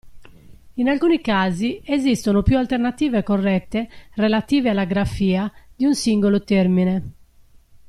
In alcuni casi esistono più alternative corrette relative alla grafia di un singolo termine.